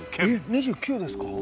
「２９ですか？